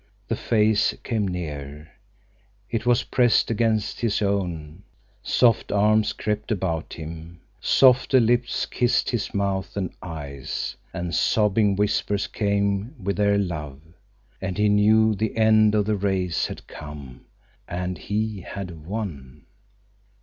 The face came nearer; it was pressed against his own, soft arms crept about him, softer lips kissed his mouth and eyes, and sobbing whispers came with their love, and he knew the end of the race had come, and he had won.